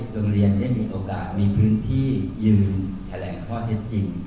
โรงเรียนได้มีโอกาสมีพื้นที่ยืนแถลงข้อเท็จจริง